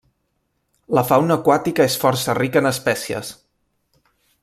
La fauna aquàtica és força rica en espècies.